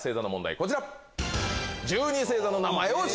こちら。